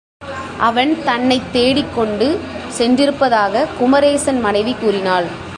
அவன் தன்னைத் தேடிக்கொண்டு சென்றிருப்பதாக குமரேசன் மனைவி கூறினாள்.